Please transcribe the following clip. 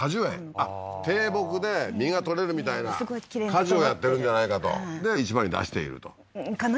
あっ低木で実が取れるみたいな果樹をやってるんじゃないかとで市場に出しているとかな？